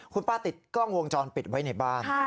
คุณป้าติดกล้องวงจรปิดไว้ในบ้าน